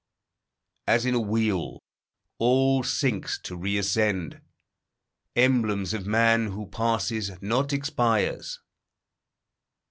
As in a wheel, all sinks, to reascend: Emblems of man, who passes, not expires.